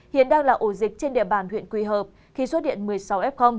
hiện đang là ổ dịch trên địa bàn huyện quỳ hợp khi xuất điện một mươi sáu f